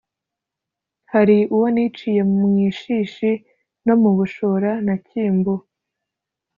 hali uwo niciye mu ishishi no mu bushora na cyimbu,